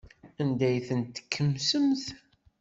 Anda ay ten-tkemsemt?